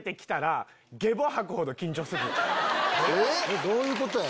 えっ⁉どういうことや？